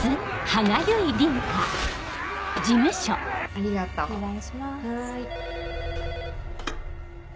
はい。